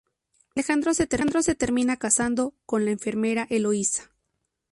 Alejandro se termina casando con la enfermera Eloísa.